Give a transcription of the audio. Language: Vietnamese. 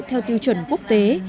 theo tiêu chuẩn quốc tế